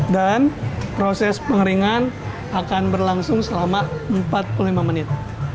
dan proses pengeringan akan berlangsung selama empat puluh lima menit